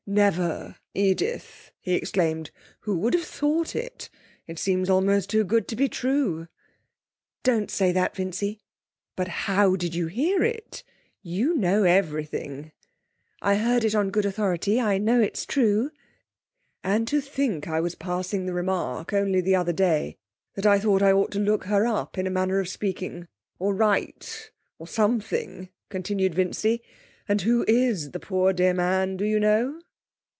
'Never, Edith!' he exclaimed. 'Who would have thought it! It seems almost too good to be true!' 'Don't say that, Vincy.' 'But how did you hear it? You know everything.' 'I heard it on good authority. I know it's true.' 'And to think I was passing the remark only the other day that I thought I ought to look her up, in a manner of speaking, or write, or something,' continued Vincy; 'and who is the poor dear man? Do you know?'